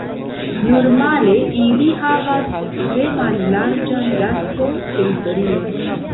Normale ili havas tre mallarĝan gasto-teritorion.